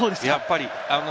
やっぱり。